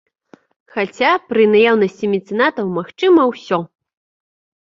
Хаця, пры наяўнасці мецэнатаў магчыма ўсё!